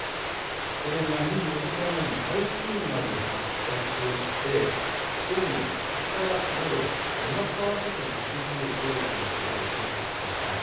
これが２４時間以内に台風にまで発達をしてどうも２日、小笠原諸島に接近するおそれがありますのでお気をつけください。